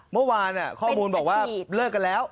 เมื่อวานข้อมูลบอกว่าเลิกกันแล้ว